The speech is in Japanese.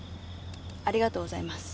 ありがとうございます。